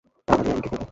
টাকা দিয়ে আমি কী করব?